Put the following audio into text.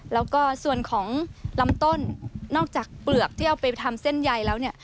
แล้วก็ส่วนของลำต้นนอกจากเปลือกที่เอาไปทำเส้นใยแล้วเนี่ย